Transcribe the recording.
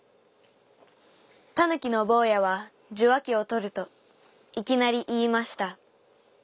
「たぬきのぼうやはじゅわきをとると、いきなりいいました。